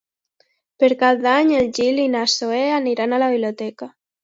Per Cap d'Any en Gil i na Zoè aniran a la biblioteca.